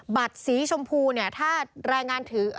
บัตรสีชมพูเนี่ยถ้าแรงงานถือ